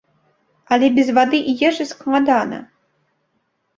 Але без вады і ежы складана.